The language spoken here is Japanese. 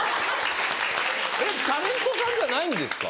えっタレントさんじゃないんですか？